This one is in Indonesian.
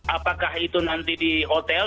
apakah itu nanti di hotel